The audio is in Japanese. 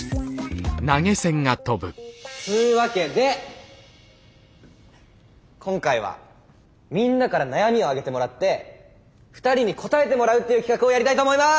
つうわけで今回はみんなから悩みを挙げてもらって２人に答えてもらうっていう企画をやりたいと思います。